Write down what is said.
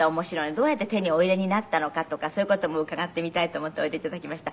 どうやって手にお入れになったのかとかそういう事も伺ってみたいと思っておいで頂きました。